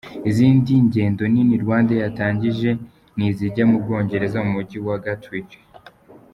Izindi ngendo nini Rwandair yatangije ni izijya mu Bwongereza mu Mujyi wa Gatwich.